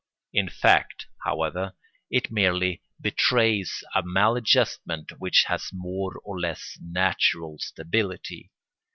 In fact, however, it merely betrays a maladjustment which has more or less natural stability.